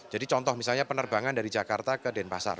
jadi contoh misalnya penerbangan dari jakarta ke denpasar